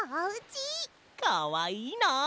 かわいいな。